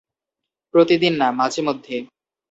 প্রতিদিন না মাঝেমধ্যে।